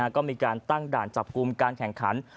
ก็มีการตั้งด่านจับกลุ่มการแข่งขัน